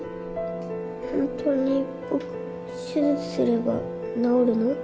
本当に僕手術すれば治るの？